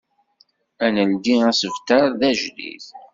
Ad neldi asebter d ajdid.